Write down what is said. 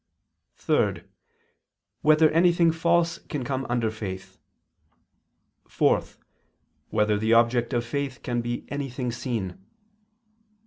(3) Whether anything false can come under faith? (4) Whether the object of faith can be anything seen?